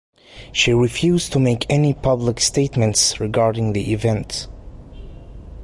She refused to make any public statements regarding the event.